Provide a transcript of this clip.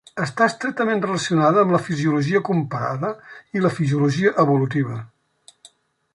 Està estretament relacionada amb la fisiologia comparada i la fisiologia evolutiva.